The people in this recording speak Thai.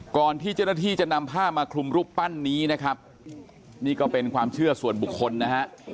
ก่อนที่เจ้าหน้าที่จะนำผ้ามาคลุมรูปปั้นนี้นะครับนี่ก็เป็นความเชื่อส่วนบุคคลนะฮะ